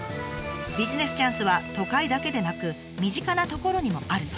ビジネスチャンスは都会だけでなく身近な所にもあると。